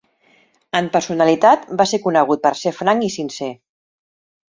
En personalitat, va ser conegut per ser franc i sincer.